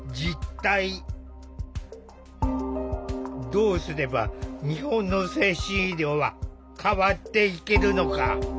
どうすれば日本の精神医療は変わっていけるのか考える！